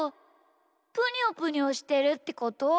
プニョプニョしてるってこと。